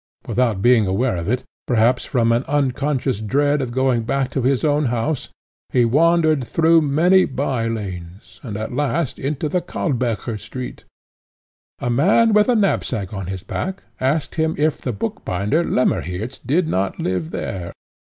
Without being aware of it, perhaps from an unconscious dread of going back to his own house, he wandered through many by lanes, and at last into the Kalbecher street. A man, with a knapsack on his back, asked him if the bookbinder, Lemmerhirt, did not live there?